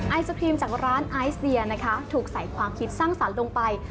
ไอศครีมจากร้านไอซ์เดียนะคะถูกใส่ความคิดสร้างสรรค์ลงไป